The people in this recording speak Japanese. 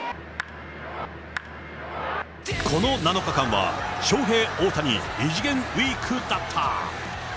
この７日間は、ショーヘイ・オオタニ、異次元ウイークだった。